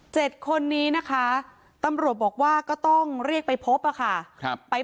๗คนนี้นะคะตำรวจบอกว่าก็ต้องเรียกไปพบค่ะครับไป